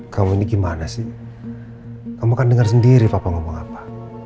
kamu ini gimana sih kamu akan dengar sendiri papa ngomong apa